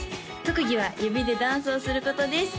特技は指でダンスをすることです